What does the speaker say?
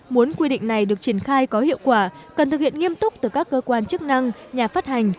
muốn quy định này được triển khai có hiệu quả cần thực hiện nghiêm túc từ các cơ quan chức năng nhà phát hành